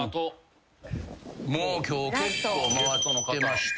もう今日結構回ってまして。